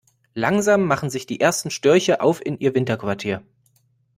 Langsam machen sich die ersten Störche auf in ihr Winterquartier.